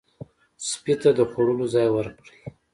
سپي ته د خوړلو ځای ورکړئ.